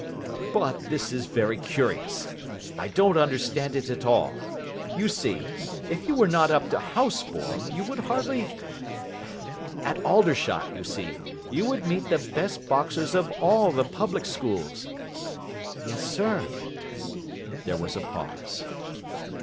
"But this is very curious. I don't understand it at all. You see, if you were not up to House form, you would hardly At Aldershot, you see, you would meet the best boxers of all the public schools." "Yes, sir." There was a pause.